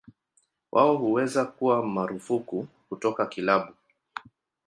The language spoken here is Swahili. Wao huweza kuwa marufuku kutoka kilabu.